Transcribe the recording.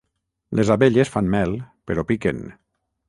Les abelles fan mel, però piquen.